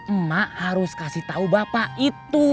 emak harus kasih tahu bapak itu